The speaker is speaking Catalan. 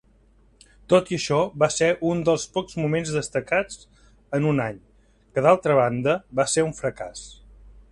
Tot i això, va ser un dels pocs moments destacats en un any, que d'altra banda va ser un fracàs.